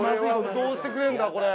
どうしてくれんだこれ。